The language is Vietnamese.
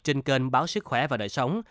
trên kênh báo sức khỏe và đời sống